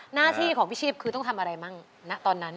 หน้าที่ของพี่ชีพคือต้องทำอะไรมั่งณตอนนั้น